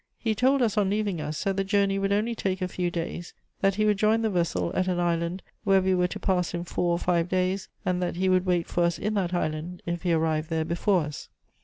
_ He told us, on leaving us, that the journey would only take a few days, that he would join the vessel at an island where we were to pass in four or five days, and that he would wait for us in that island if he arrived there before us.